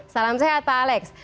salam sehat pak alex